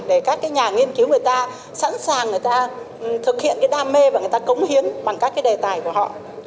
để các cái nhà nghiên cứu người ta sẵn sàng người ta thực hiện cái đam mê và người ta cống hiến bằng các cái đề tài của họ